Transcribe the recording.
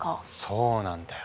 そうなんだよ。